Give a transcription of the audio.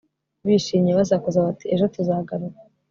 bishimye, basakuza bati ejo tuzagaruka